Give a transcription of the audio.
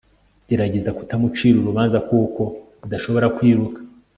gerageza kutamucira urubanza kuko adashobora kwiruka